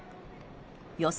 予想